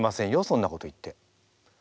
そんなこと言って。